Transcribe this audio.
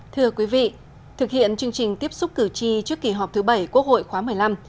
thưa quý vị thực hiện chương trình tiếp xúc cử tri trước kỳ họp thứ bảy quốc hội khóa một mươi năm